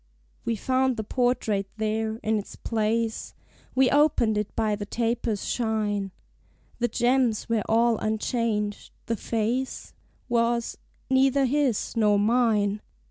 We found the portrait there, in its place: We opened it by the tapers' shine: The gems were all unchanged: the face Was neither his nor mine.